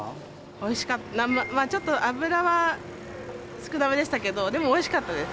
おいしかった、まあちょっと脂は少なめでしたけれども、でもおいしかったです。